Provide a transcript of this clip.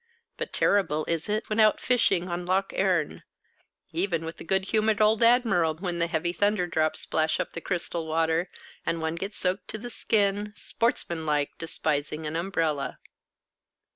But terrible is it when out fishing on Loch Earn, even with the good humoured old Admiral, when the heavy thunder drops splash up the crystal water, and one gets soaked to the skin, sportsman like despising an umbrella.